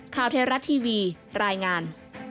คราวเทราะห์ทีวีรายงาน